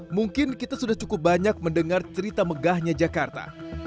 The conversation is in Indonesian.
mungkin kita sudah cukup banyak mendengar cerita megahnya jakarta